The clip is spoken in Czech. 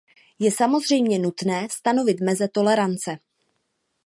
Je samozřejmě nutné stanovit meze tolerance.